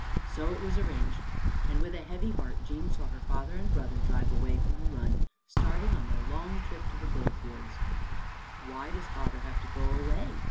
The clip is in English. So it was arranged, and with a heavy heart Jean saw her father and brother drive away from the run, starting on their long trip to the Gold Fields. "Why does father have to go away?"